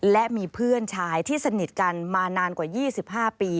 และมีเพื่อนชายที่สนิทกันมานานกว่า๒๕ปี